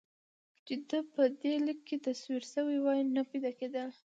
چې ده ته په دې لیک کې تصویر شوې وای نه پیدا کېدله.